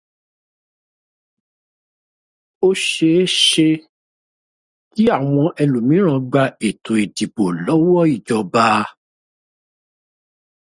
Ó ṣeéṣe kí àwọn ẹlòmíràn gba ètò ìdìbò lọ́wọ́ ìjọba